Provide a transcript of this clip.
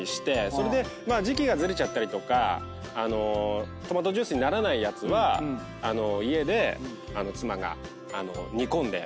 それで時期がずれちゃったりとかトマトジュースにならないやつは家で妻が煮込んでトマトソース。